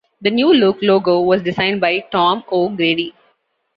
The "New Look" logo was designed by Tom O'Grady.